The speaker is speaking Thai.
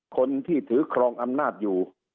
คนที่ถือครองอำนาจอยู่